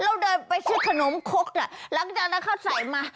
แล้วเดินไปซื้อขนมคกหลังจากนั้นเขาใส่มา